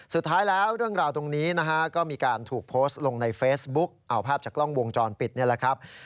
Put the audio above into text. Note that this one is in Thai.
สุดท้ายแล้วเรื่องราวตรงนี้นะฮะก็มีการถูกโพสต์ลงในเฟซบุ๊กเอาภาพจากกล้องวงจรปิดนี่แหละครับ